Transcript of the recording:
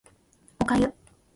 お粥